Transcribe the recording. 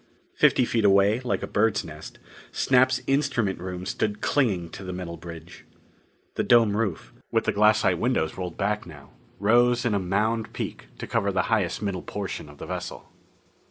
Fifty feet away, like a bird's nest, Snap's instrument room stood clinging to the metal bridge. The dome roof, with the glassite windows rolled back now, rose in a mound peak to cover the highest middle portion of the vessel.